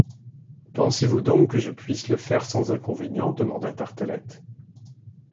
Pensez-vous donc que je puisse le faire sans inconvénient? demanda Tartelett.